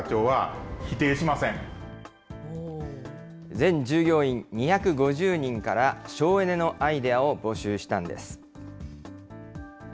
全従業員２５０人から省エネのアイデアを募集したんです。